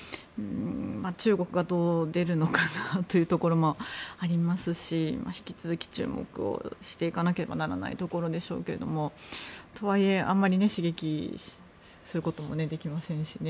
中国がどう出るのかなというところもありますし引き続き注目をしていかなければならないところでしょうけどとはいえ、あまり刺激することもできませんしね。